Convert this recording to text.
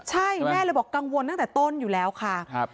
ใช่แม่เลยบอกกังวลตั้งแต่ต้นอยู่แล้วค่ะ